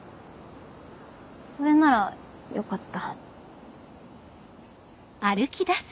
それならよかった。